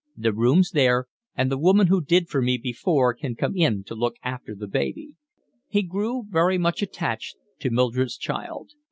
The room's there, and the woman who did for me before can come in to look after the baby." He grew very much attached to Mildred's child.